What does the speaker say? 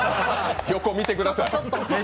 横見てください。